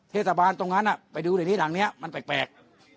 เทศบาลไปดูในหน้านี้มันแปลก